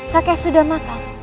kakek sudah makan